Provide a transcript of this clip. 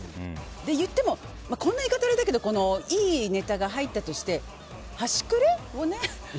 言ってもこんな言い方あれだけどいいネタが入ってたとして端くれをね。